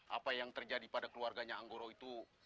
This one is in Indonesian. apa yang terjadi pada keluarganya anggoro itu